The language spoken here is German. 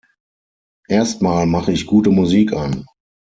Erstmal mache ich gute Musik an.